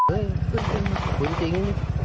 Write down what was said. โอ๊ยคุณจริงคุณจริง